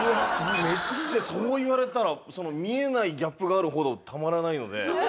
めっちゃそう言われたら見えないギャップがあるほどたまらないので。